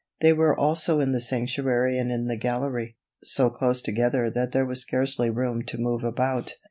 They were also in the sanctuary and in the gallery, so close together that there was scarcely room to move about.